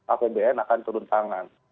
apbn akan turun tangan